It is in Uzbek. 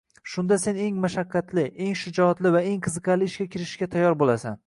Shunda sen eng mashaqqatli, eng shijoatli va eng qiziqarli ishga kirishishga tayyor bo‘lasan.